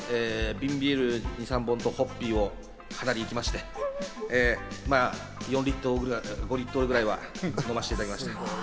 瓶ビール２３本とホッピーをかなりいきまして、まぁ、４リットルくらいは飲ませていただきました。